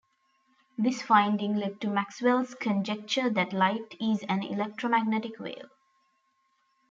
This finding led to Maxwell's conjecture that light is an electromagnetic wave.